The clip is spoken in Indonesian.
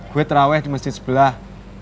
gue terawih di masjid sebelah